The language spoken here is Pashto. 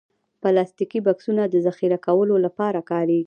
پلاستيکي بکسونه د ذخیره کولو لپاره کارېږي.